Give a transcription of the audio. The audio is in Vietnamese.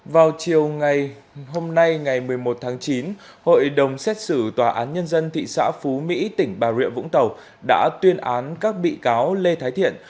vào chiều ngày hôm nay ngày một mươi một tháng chín hội đồng xét xử tòa án nhân dân thị xã phú mỹ tỉnh bà rịa vũng tàu đã tuyên án các bị cáo lê thái thiện